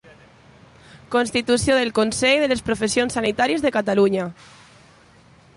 Constitució del Consell de les Professions Sanitàries de Catalunya.